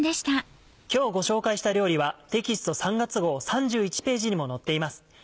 今日ご紹介した料理はテキスト３月号３１ページにも載っています。